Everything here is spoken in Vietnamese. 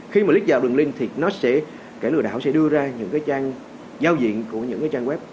khi mà lết vào đường link thì nó sẽ kẻ lừa đảo sẽ đưa ra những cái trang giao diện của những cái trang web